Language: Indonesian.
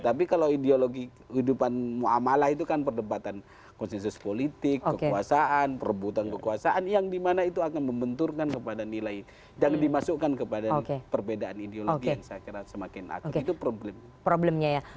tapi kalau ideologi kehidupan ⁇ muamalah ⁇ itu kan perdebatan konsensus politik kekuasaan perebutan kekuasaan yang dimana itu akan membenturkan kepada nilai jangan dimasukkan kepada perbedaan ideologi yang saya kira semakin aku itu